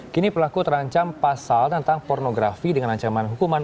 kini pelaku terancam pasal tentang pornografi dengan ancaman hukuman